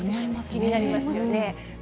気になりますよね。